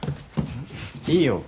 いいよ。